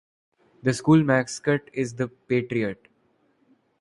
The school mascot is "The Patriot".